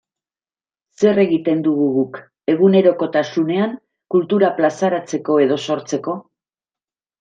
Zer egiten dugu guk egunerokotasunean kultura plazaratzeko edo sortzeko?